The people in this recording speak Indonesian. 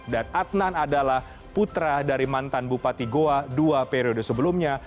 dan adnan adalah putra dari mantan bupati goa dua periode sebelumnya